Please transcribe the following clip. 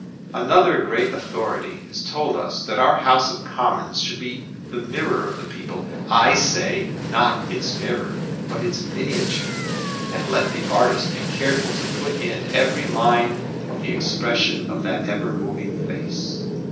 Another great authority has told us that our House of Commons should be the mirror of the people. I say, not its mirror, but its miniature. And let the artist be careful to put in every line of the expression of that ever moving face.